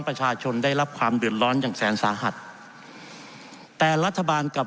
ประชาชนได้รับความเดือดร้อนอย่างแสนสาหัสแต่รัฐบาลกับ